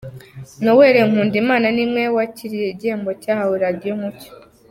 Noel Nkundimana niwe wakiriye igihembo cyahawe Radio Umucyo.